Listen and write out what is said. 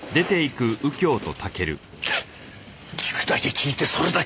聞くだけ聞いてそれだけかよ。